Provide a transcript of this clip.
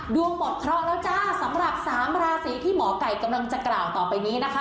ดวงหมดคล็อกแล้วจ้ะสำหรับ๓ราศีที่หมอไก่กำลังจะกล่าวต่อไปนี้นะคะ